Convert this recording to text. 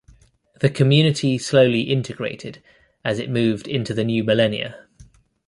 The community slowly integrated as it moved into the new millennia.